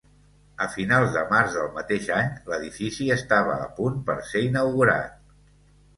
A finals de març del mateix any, l'edifici estava a punt per ser inaugurat.